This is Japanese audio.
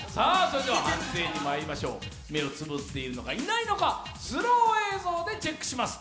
それでは判定にまいりましょう目をつぶっているのかいないのかスロー映像でチェックします